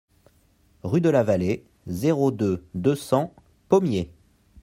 Rue de la Vallée, zéro deux, deux cents Pommiers